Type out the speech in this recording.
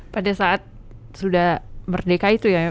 pada saat sudah merdeka itu ya